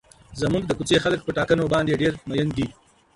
زموږ د کوڅې خلک په ټاکنو باندې ډېر مین دي.